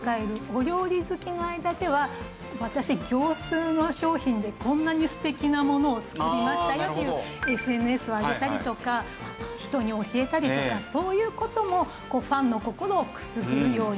お料理好きの間では私業スーの商品でこんなに素敵なものを作りましたよというＳＮＳに上げたりとか人に教えたりとかそういう事もファンの心をくすぐる要因ですね。